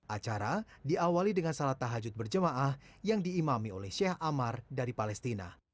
acara diawali dengan salat tahajud berjemaah yang diimami oleh sheikh amar dari palestina